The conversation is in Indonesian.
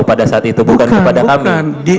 pada saat itu bukan kepada kami